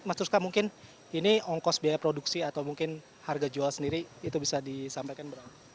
mas tuska mungkin ini ongkos biaya produksi atau mungkin harga jual sendiri itu bisa disampaikan berapa